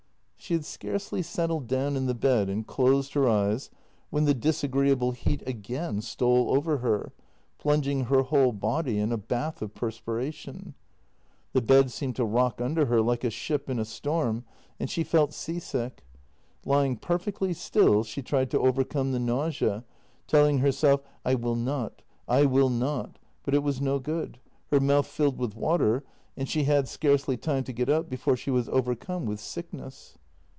She had scarcely settled down in the bed and closed her eyes when the disagreeable heat again stole over her, plunging her whole body in a bath of perspiration. The bed seemed to rock under her like a ship in a storm, and she felt sea sick. Lying perfectly still, she tried to overcome the nausea, telling herself: I will not, I will not, but it was no good. Her mouth filled with water, and she had scarcely time to get up before she was overcome with sickness.